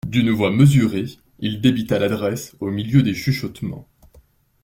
D'une voix mesurée, il débita l'adresse, au milieu des chuchotements.